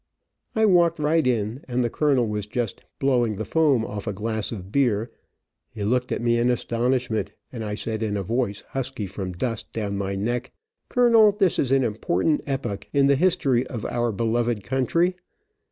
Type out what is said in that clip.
I walked right in, and the colonel was just blowing the foam off a glass of beer. He looked at me in astonishment, and I said in a voice husky from dust down my neck: "Colonel this is an important epoch in the history of our beloved country.